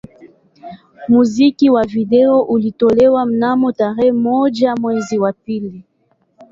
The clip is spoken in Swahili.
Muziki wa video ulitolewa mnamo tarehe moja mwezi wa pili